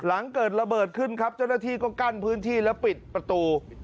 หลังเกิดระเบิดขึ้นครับเจ้าหน้าที่ก็กั้นพื้นที่แล้วปิดประตู